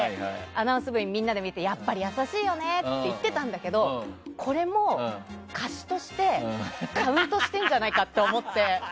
アナウンス部みんなで見てやっぱり優しいよねって言ってたんだけどこれも貸しとしてカウントしてるんじゃないかと思って。